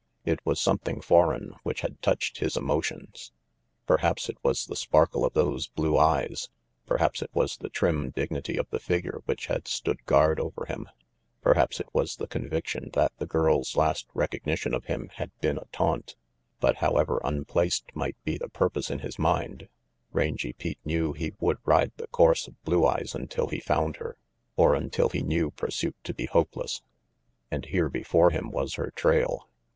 It was something foreign which had touched his emotions. Perhaps it was the sparkle of those blue eyes; perhaps it was the trim dignity of the figure which had stood guard over him; perhaps it was the conviction that the girl's last recognition of him had been a taunt; but however unplaced might be the purpose in his mind, Rangy Pete knew he would ride the course of Blue Eyes until he found her, or until he knew pursuit to be hopeless. And here before him was her trail.